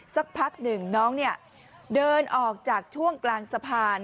สักพักหนึ่งน้องเดินออกจากช่วงกลางสะพาน